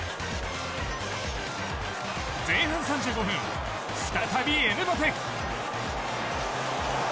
前半３５分、再びエムバペ。